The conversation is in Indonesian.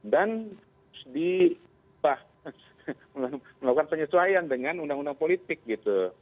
dan melakukan penyesuaian dengan undang undang politik gitu